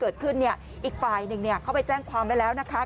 โรดเจ้าเจ้าเจ้าเจ้าเจ้าเจ้าเจ้าเจ้าเจ้าเจ้าเจ้าเจ้าเจ้าเจ้า